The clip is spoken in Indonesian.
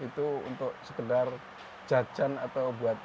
itu untuk sekedar jajan atau buat